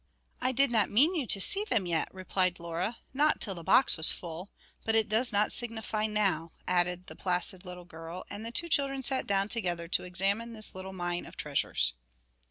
'I did not mean you to see them yet,' replied Laura 'not till the box was full; but it does not signify now,' added the placid little girl; and the two children sat down together to examine this little mine of treasures.